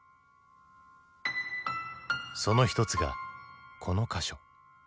その一つがこの箇所。